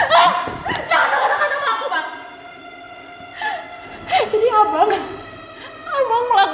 iqbal iqbal melakunya mbak